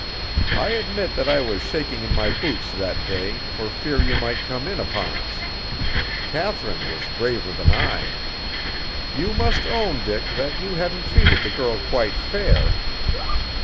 I admit that I was shaking in my boots that day for fear you might come in upon us. Katharine was braver than I. You must own, Dick, that you hadn't treated the girl quite fair."